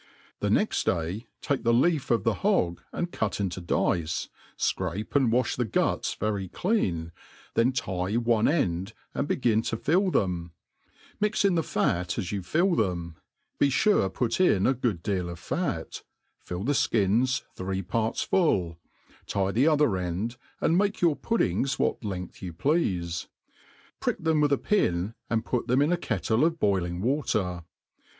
The next day, take the leaf of the hog and cut into dice, fcrape and %a(b the guts very cleati, then tie one end, and begin to fill them ; mix in the fat as you fill them, be fure put in a good ileal of fat, fill the fkihs three parts full, tie the other end, and lAike your puddings what length you pleafe ; prick them ^th a pin, and put them in a kettle of boilin g water.